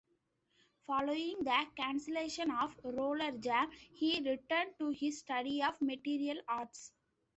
Following the cancellation of "RollerJam", he returned to his study of martial arts.